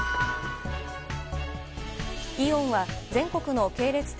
イオンは全国の系列店